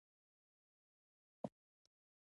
د افغان نوم د نړۍ په هر کونج کې د میړانې نښه ده.